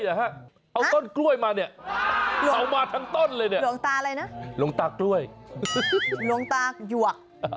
เขาออกมาทั้งต้นเลยเนี่ยโรงตากล้วยโรงตาหยวก